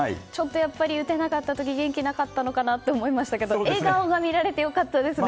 やっぱり打てなかった時に元気なかったのかなと思いましたけど笑顔が見られてよかったですね。